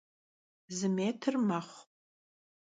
Zı mêtr mexhu.